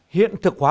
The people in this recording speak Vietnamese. hiện thực hóa